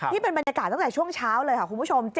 นี่เป็นบรรยากาศตั้งแต่ช่วงเช้าเลยค่ะคุณผู้ชม